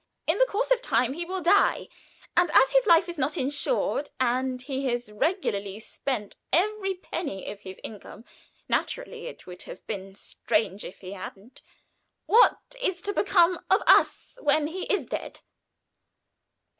In the course of time he will die, and as his life is not insured, and he has regularly spent every penny of his income naturally it would have been strange if he hadn't what is to become of us when he is dead?"